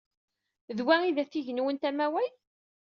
D wa ay d atig-nwent amaway?